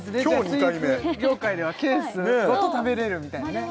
スイーツ業界ではケースごと食べれるみたいなね